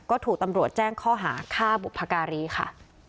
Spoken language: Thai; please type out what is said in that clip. ก็ถูกตำรวจแจ้งข้อหาฆ่าบุพการีค่ะ